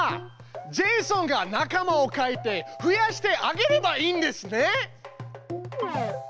ジェイソンが仲間を描いて増やしてあげればいいんですね！